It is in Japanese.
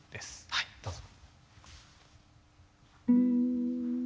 はいどうぞ。